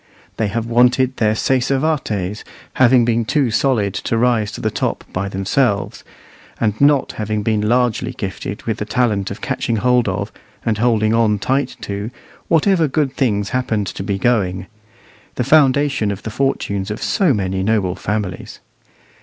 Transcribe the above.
They have wanted their sacer vates, having been too solid to rise to the top by themselves, and not having been largely gifted with the talent of catching hold of, and holding on tight to, whatever good things happened to be going the foundation of the fortunes of so many noble families.